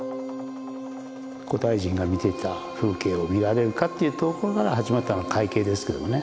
古代人が見ていた風景を見られるかというところから始まったのが「海景」ですけどもね。